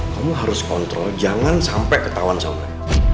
kamu harus kontrol jangan sampai ketahuan sama